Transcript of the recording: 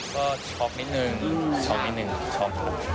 ก็ช็อกนิดหนึ่งช็อกนิดหนึ่งช็อก